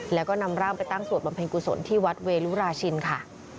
แล้วก็นำร่างไปตั้งสวดบำเพ็ญกุศลที่วัดเวลุราชินค่ะ